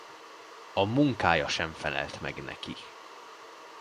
A munkája sem felelt meg neki.